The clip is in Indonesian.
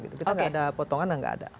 kita tidak ada potongan dan tidak ada